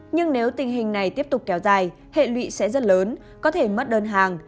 nhưng nếu tình hình này tiếp tục kéo dài hệ lụy sẽ rất lớn có thể mất đơn hàng